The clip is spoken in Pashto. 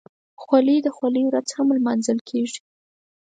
خولۍ د خولۍ ورځ هم لمانځل کېږي.